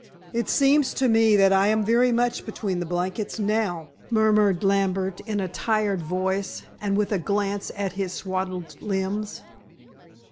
"It seems to me that I am very much between the blankets now," murmured Lambert in a tired voice, and with a glance at his swathed limbs.